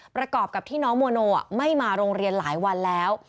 ประกอบกับที่น้องโมโนไม่มาโรงเรียนหลายวันแล้ว